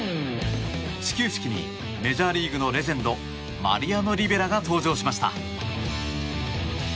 始球式にメジャーリーグのレジェンドマリアノ・リベラが登場しました。